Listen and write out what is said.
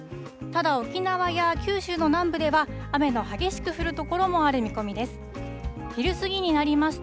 ただ、沖縄や九州の南部では、雨が激しく降る所もある見込みです。